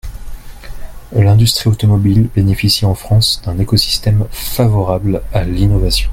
L’industrie automobile bénéficie en France d’un écosystème favorable à l’innovation.